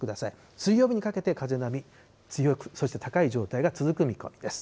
水曜日にかけて、風、波、強く、そして高い状態が続く見込みです。